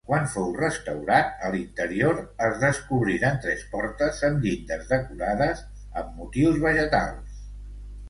Quan fou restaurat, a l'interior es descobriren tres portes amb llindes decorades amb motius vegetals.